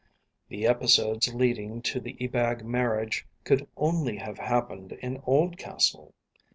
The episodes leading to the Ebag marriage could only have happened in Oldcastle.